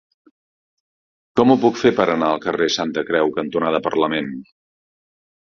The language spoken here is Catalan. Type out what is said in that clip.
Com ho puc fer per anar al carrer Santa Creu cantonada Parlament?